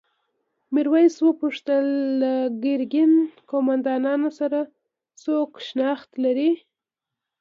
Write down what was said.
میرويس وپوښتل د ګرګین قوماندانانو سره څوک شناخت لري؟